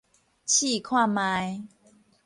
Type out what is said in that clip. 試看覓